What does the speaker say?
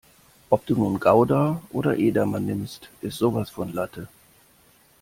Ob du nun Gouda oder Edamer nimmst, ist sowas von Latte.